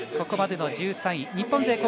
ここまでの１３位、日本勢